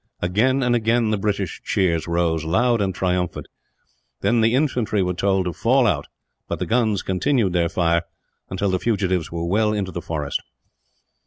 Again and again the British cheers rose, loud and triumphant; then the infantry were told to fall out, but the guns continued their fire, until the fugitives were well in the forest.